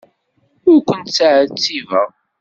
Ur kent-ttɛettibeɣ.